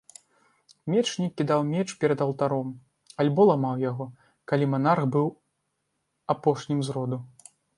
Мечнік кідаў меч перад алтаром, альбо ламаў яго, калі манарх быў апошнім з роду.